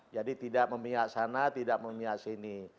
jadi tidak memilih sana tidak memilih sini